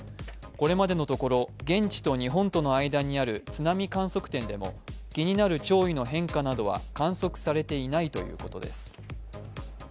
これまでのところ現地と日本との間にある津波観測点でも気になる潮位の変化などは観測されていないということです。